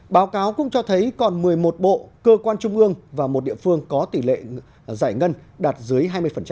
báo cáo cũng cho thấy còn một mươi một bộ cơ quan trung ương và một địa phương có tỷ lệ giải ngân đạt dưới hai mươi